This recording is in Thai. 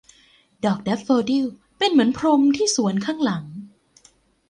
ดอกแดฟโฟดิลเหมือนเป็นพรมที่สวนข้างหลัง